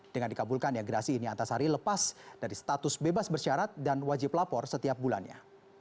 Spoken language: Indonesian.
dengan dikabulkan yang gerasi ini antasari lepas dari status bebas bersyarat dan wajib lapor setiap bulannya